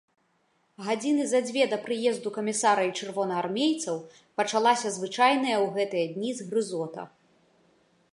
Гадзіны за дзве да прыезду камісара і чырвонаармейцаў пачалася звычайная ў гэтыя дні згрызота.